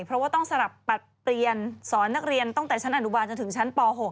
เพราะว่าต้องสลับปัดเปลี่ยนสอนนักเรียนตั้งแต่ชั้นอนุบาลจนถึงชั้นป๖